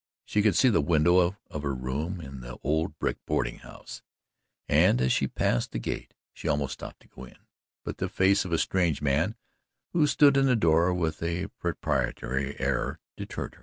She could see the window of her room in the old brick boarding house, and as she passed the gate, she almost stopped to go in, but the face of a strange man who stood in the door with a proprietary air deterred her.